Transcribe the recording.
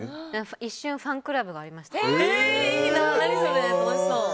一瞬、ファンクラブがありました。